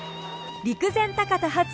陸前高田発！